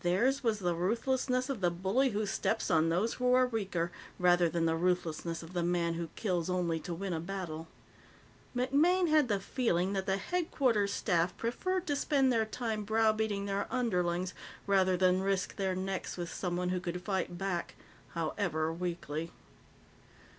Theirs was the ruthlessness of the bully who steps on those who are weaker rather than the ruthlessness of the man who kills only to win a battle. MacMaine had the feeling that the Headquarters Staff preferred to spend their time browbeating their underlings rather than risk their necks with someone who could fight back, however weakly.